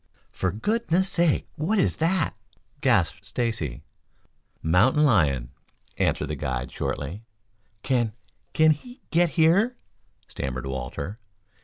"For goodness' sake, what is that?" gasped Stacy. "Mountain lion," answered the guide shortly. "Can can he get here?" stammered Walter.